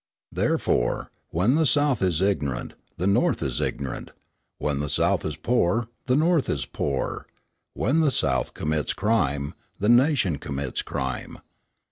Therefore, when the South is ignorant, the North is ignorant; when the South is poor, the North is poor; when the South commits crime, the nation commits crime.